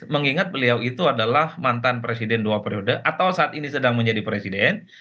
mengingat beliau itu adalah mantan presiden dua periode atau saat ini sedang menjadi presiden